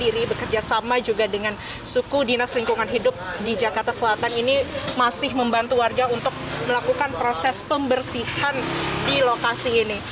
sendiri bekerja sama juga dengan suku dinas lingkungan hidup di jakarta selatan ini masih membantu warga untuk melakukan proses pembersihan di lokasi ini